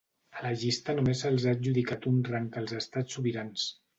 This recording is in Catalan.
A la llista només se'ls ha adjudicat un rang als estats sobirans.